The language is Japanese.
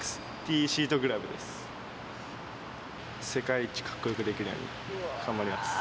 世界一カッコよくできるように頑張ります。